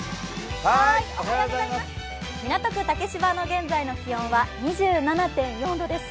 港区竹芝の現在の気温は、２７．４度です。